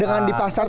dengan di pasar